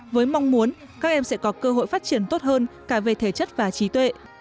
với mong muốn các em sẽ có cơ hội phát triển tốt hơn cả về thể chất và trí tuệ